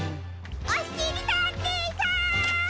おしりたんていさん！